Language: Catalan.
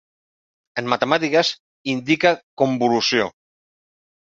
En matemàtiques, indica convolució.